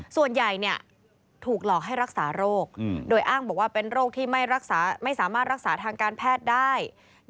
ส่วนใหญ่ถูกหลอกให้รักษาโรคโดยอ้างบอกว่าเป็นโรคที่ไม่สามารถรักษาทางการแพทย์ได้